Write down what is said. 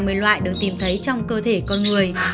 các loại đều tìm thấy trong cơ thể con người